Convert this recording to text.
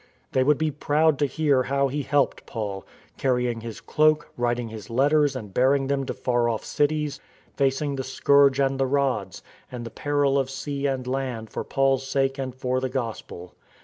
They would be proud to hear how he helped Paul — carrying his cloak, writing his letters and bearing them to far off cities, facing the scourge and the rods, and the peril of sea and land for Paul's sake and for the Gospel.